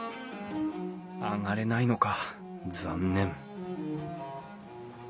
上がれないのか。